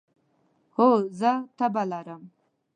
هو، زه تبه لرم